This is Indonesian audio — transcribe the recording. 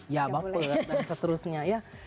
ya bagus dan seterusnya ya